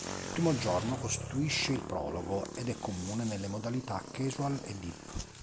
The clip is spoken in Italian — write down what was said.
Il primo giorno costituisce il prologo ed è comune nelle modalità Casual e Deep.